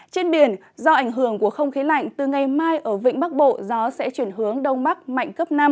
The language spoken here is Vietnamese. trên biển do ảnh hưởng của không khí lạnh từ ngày mai ở vĩnh bắc bộ gió sẽ chuyển hướng đông bắc mạnh cấp năm